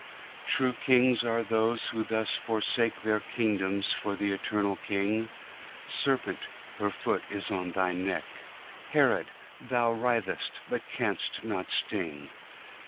True kings are those who thus forsake Their kingdoms for the Eternal King; Serpent, her foot is on thy neck; Herod, thou writhest, but canst not sting.